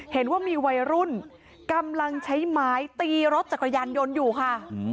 เห็นว่ามีวัยรุ่นกำลังใช้ไม้ตีรถจักรยานยนต์อยู่ค่ะ